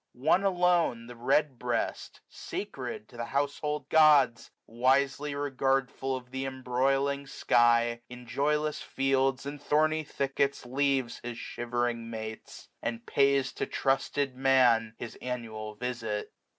One alone, 245 The red breast, sacred to the household gods. Wisely regardful of th' embroiling sky, WINTER. 185 In joyless fields and thorny thickets leaves His shivering mates, and pays to trusted Man His annual visit.